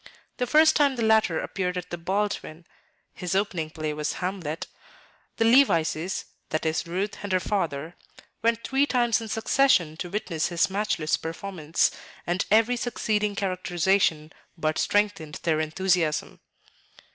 The first time the latter appeared at the Baldwin (his opening play was "Hamlet") the Levices that is, Ruth and her father went three times in succession to witness his matchless performance, and every succeeding characterization but strengthened their enthusiasm.